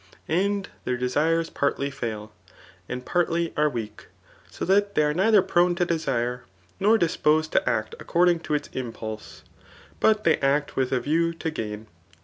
And their desires partly fail^ and partly are weak; so tfaat they are neidier prone to desire, nor disposed to act according to its impulse^ but they act with a view to gain.